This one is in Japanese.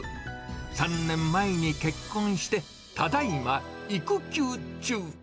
３年前に結婚して、ただいま育休中。